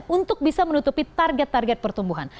untuk bisa menutupi target target pertumbuhan